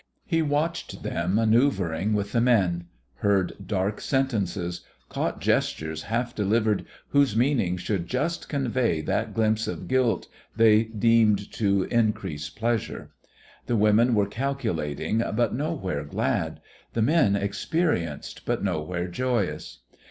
He watched them manoeuvring with the men; heard dark sentences; caught gestures half delivered whose meaning should just convey that glimpse of guilt they deemed to increase pleasure. The women were calculating, but nowhere glad; the men experienced, but nowhere joyous.